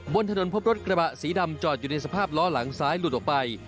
บนถนนพบรถกระบะสีดำจอดอยู่ในสภาพล้อหลังซ้ายหลุดออกไป